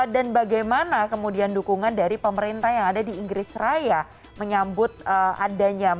dan bagaimana kemudian dukungan dari pemerintah yang ada di inggris raya menyambut adanya masjid ini